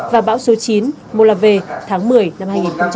và bão số chín molave tháng một mươi năm hai nghìn hai mươi